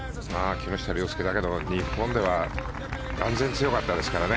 木下稜介、日本では断然強かったですからね。